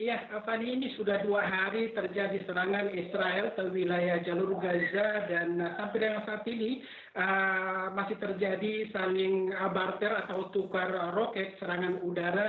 iya fani ini sudah dua hari terjadi serangan israel ke wilayah jalur gaza dan sampai dengan saat ini masih terjadi saling abarter atau tukar roket serangan udara